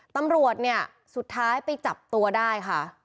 ตำรวจเนี่ยสุดท้ายไปจับตัวได้ค่ะ